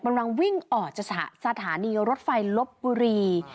กำลังวิ่งออกจากสถานีรถไฟลบบุรี